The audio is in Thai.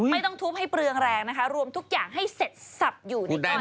ไม่ต้องทุบให้เปลืองแรงนะคะรวมทุกอย่างให้เสร็จสับอยู่ในก้อน